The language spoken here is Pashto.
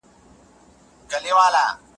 کجاوې ته د انارو ده ولاړه